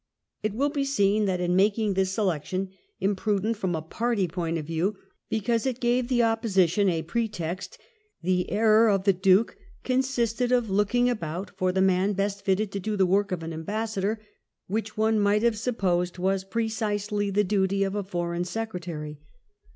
It will be seen that in making this selection, imprudent from a party point of view, because it gave the Opposition a pretext, the error of the Duke consisted in looking about for the man best fitted to do the work of an ambassador, which one might have supposed was precisely the duty of a foreign secretary.